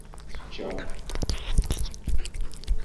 Tečča.